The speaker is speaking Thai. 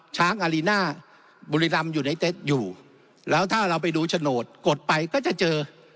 อารีน่าบุรีรำอยู่ในเต็ดอยู่แล้วถ้าเราไปดูโฉนดกดไปก็จะเจอ